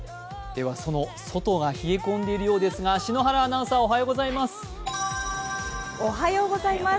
その外が冷え込んでいるようですが篠原アナウンサー、おはようございます。